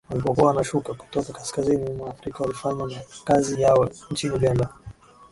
walipokuwa wanashuka kutoka kaskazini mwa Afrika walifanya makazi yao nchini Uganda